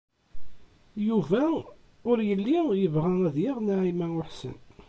Yuba ur yelli yebɣa ad yaɣ Naɛima u Ḥsen.